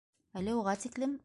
- Әле уға тиклем...